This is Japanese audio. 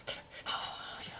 ああいや。